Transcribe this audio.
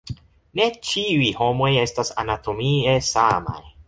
Ne ĉiuj homoj estas anatomie samaj.